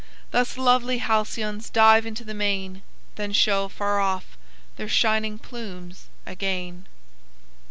Thus lovely Halcyons dive into the main, Then show far off their shining plumes again."